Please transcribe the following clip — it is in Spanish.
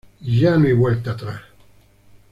Y ya no hay vuelta atrás.